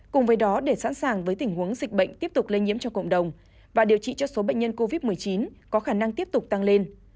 cùng với đó để sẵn sàng với tình huống dịch bệnh tiếp tục lây nhiễm cho cộng đồng và điều trị cho số bệnh nhân covid một mươi chín có khả năng tiếp tục tăng lên